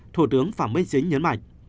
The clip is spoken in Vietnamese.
thủ tướng phạm minh chính nhấn mạnh